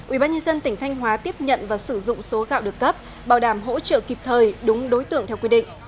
ủy ban nhân dân tỉnh thanh hóa tiếp nhận và sử dụng số gạo được cấp bảo đảm hỗ trợ kịp thời đúng đối tượng theo quy định